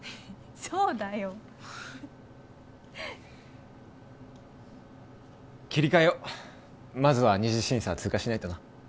そうだよ切り替えようまずは二次審査通過しないとな